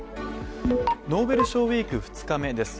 ノーベル賞ウィーク２日目です。